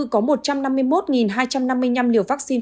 có một trăm năm mươi một hai trăm năm mươi năm liều vaccine